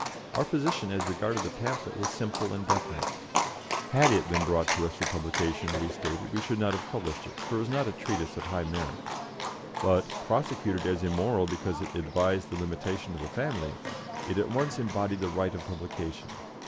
Our position as regarded the pamphlet was simple and definite; had it been brought to us for publication, we stated, we should not have published it, for it was not a treatise of high merit; but, prosecuted as immoral because it advised the limitation of the family, it at once embodied the right of publication.